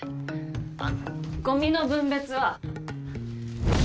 あっゴミの分別は。